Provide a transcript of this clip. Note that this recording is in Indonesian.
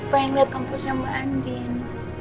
pengen liat kampusnya mbak andien